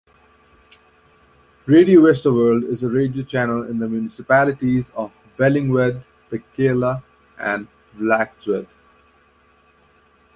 Radio Westerwolde is a radio channel in the municipalities of Bellingwedde, Pekela, and Vlagtwedde.